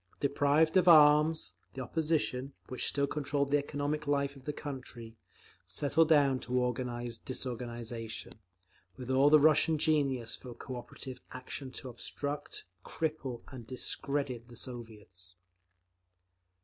Deprived of arms, the opposition, which still controlled the economic life of the country, settled down to organise disorganisation, with all the Russian genius for cooperative action—to obstruct, cripple and discredit the Soviets.